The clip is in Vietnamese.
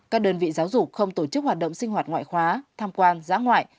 các đơn vị giáo dục không tổ chức hoạt động sinh hoạt ngoại khóa tham quan giã ngoại